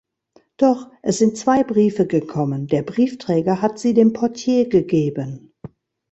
Doch, es sind zwei Briefe gekommen; der Briefträger hat sie dem Portier gegeben.